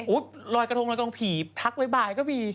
โอ๊ยรอยกระทงรอยกระทงผีทักไว้บ่ายก็มี